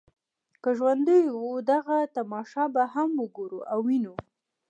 که ژوندي وو دغه تماشه به هم وګورو او وینو.